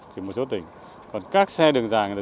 chỉ một số tỉnh còn các xe đường dài